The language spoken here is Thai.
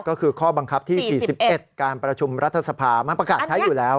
ก็คือข้อบังคับที่๔๑การประชุมรัฐสภามันประกาศใช้อยู่แล้ว